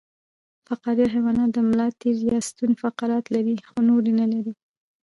فقاریه حیوانات د ملا تیر یا ستون فقرات لري خو نور یې نلري